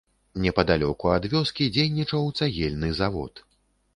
Непадалёку ад вёскі дзейнічаў цагельны завод.